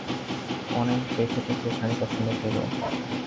অনেক বেছেটেছে শাড়ি পছন্দ করল।